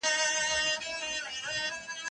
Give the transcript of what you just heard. لمبه دي نه کړم سپیلنی دي نه کړم